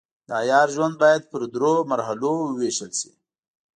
د عیار ژوند باید پر دریو مرحلو وویشل شي.